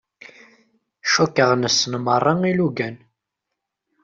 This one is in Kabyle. Cukkeɣ nessen merra ilugan.